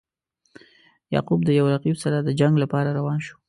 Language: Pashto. یعقوب د یو رقیب سره د جنګ لپاره روان شو.